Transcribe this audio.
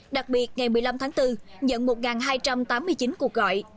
đặc biệt ngày một mươi năm tháng bốn nhận một hai trăm tám mươi chín cuộc gọi